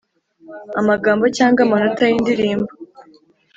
amagambo cyangwa amanota y Indirimbo